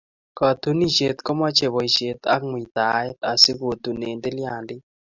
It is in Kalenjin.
Katunisyet komochei boisyet ako mutaet asi kotunen tilyandiit.